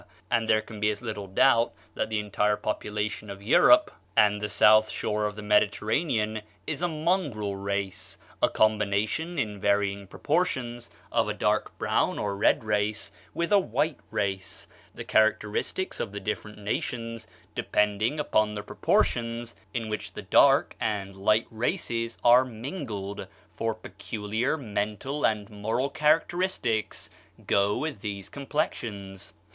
And there can be as little doubt that the entire population of Europe and the south shore of the Mediterranean is a mongrel race a combination, in varying proportions, of a dark brown or red race with a white race; the characteristics of the different nations depending upon the proportions in which the dark and light races are mingled, for peculiar mental and moral characteristics go with these complexions.